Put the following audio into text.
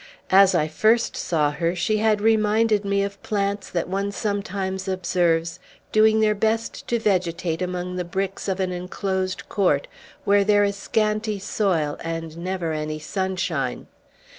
As I first saw her, she had reminded me of plants that one sometimes observes doing their best to vegetate among the bricks of an enclosed court, where there is scanty soil and never any sunshine.